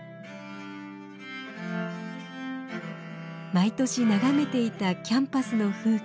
毎年眺めていたキャンパスの風景。